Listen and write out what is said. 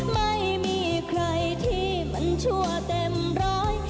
ไม่มีใครที่มันชั่วเต็มร้อย